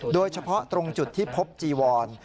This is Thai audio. โดยเฉพาะตรงจุดที่พบจีวร